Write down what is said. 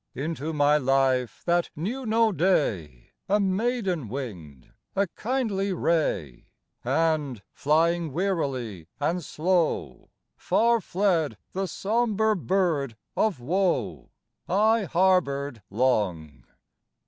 Into my life, that knew no day, A maiden winged a kindly ray, And, flying wearily and slow, Far fled the sombre bird of woe I harbored long.